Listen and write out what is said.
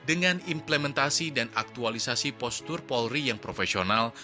dengan implementasi dan aktualisasi postur polri yang profesional